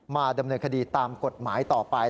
มาดำเนินคดีตามกฎหมายต่อไป